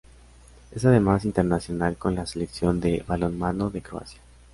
Es además internacional con la Selección de balonmano de Croacia.